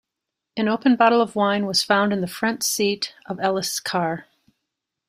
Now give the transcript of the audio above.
An open bottle of wine was found in the front seat of Ellis' car.